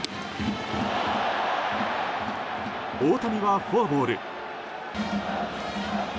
大谷はフォアボール。